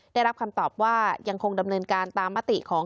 ได้รับคำตอบว่ายังคงดำเนินการตามมติของ